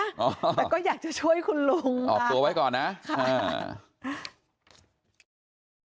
อ้าวแต่ก็อยากจะชัยคุณลุงออกตัวไว้ก่อนน่ะไฮ่